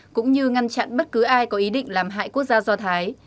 cũng như ngăn chặn bất cứ ai có ý định làm hại quốc gia do thái